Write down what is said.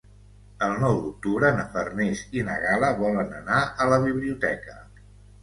El nou d'octubre na Farners i na Gal·la volen anar a la biblioteca.